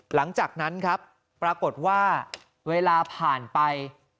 หลังจากนั้นครับปรากฏว่าเวลาผ่านไป